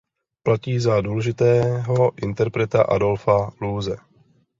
Platí za důležitého interpreta Adolfa Loose.